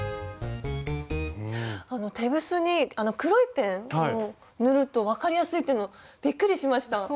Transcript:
あのテグスにあの黒いペンを塗ると分かりやすいっていうのびっくりしました。